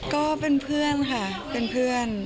ก็เป็นเพื่อนค่ะเป็นเพื่อน